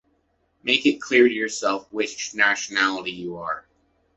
Make it clear to yourself which nationality you are!